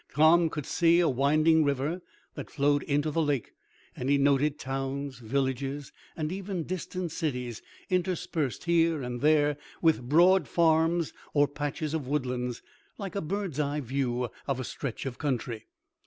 Tom could see a winding river, that flowed into the lake, and he noted towns, villages, and even distant cities, interspersed here and there with broad farms or patches of woodlands, like a bird's eye view of a stretch of country.